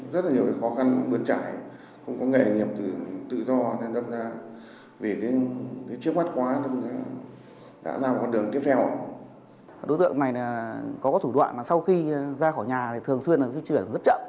đối tượng này có thủ đoạn mà sau khi ra khỏi nhà thì thường xuyên là di chuyển rất chậm